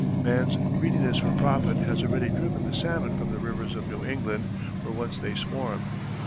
Man's greediness for profit has already driven the salmon from the rivers of New England where once they swarmed.